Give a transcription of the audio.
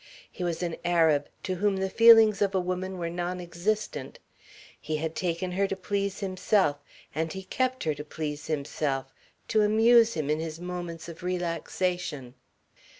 He was an Arab, to whom the feelings of a woman were non existent. He had taken her to please himself and he kept her to please himself, to amuse him in his moments of relaxation.